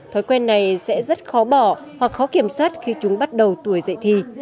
thói quen này sẽ rất khó bỏ hoặc khó kiểm soát khi chúng bắt đầu tuổi dậy thi